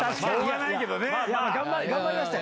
頑張りましたよ。